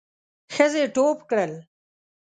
ښځې ټوپ کړل.